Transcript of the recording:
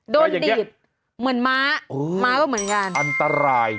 ดีดเหมือนม้าม้าก็เหมือนกันอันตราย